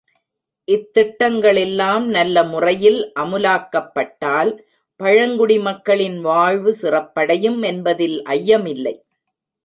இத்திட்டங்களெல்லாம் நல்ல முறையில் அமுலாக்கப்பட்டால், பழங்குடி மக்களின் வாழ்வு சிறப்படையும் என்பதில் ஐயமில்லை.